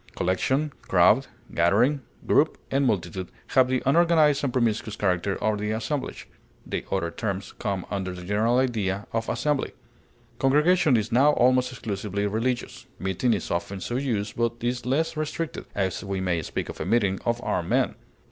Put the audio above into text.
Collection, crowd, gathering, group, and multitude have the unorganized and promiscuous character of the assemblage; the other terms come under the general idea of assembly. Congregation is now almost exclusively religious; meeting is often so used, but is less restricted, as we may speak of a meeting of armed men.